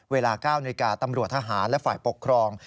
เวลา๙นาฬิกาตำรวจทหารและฝ่ายปกครอง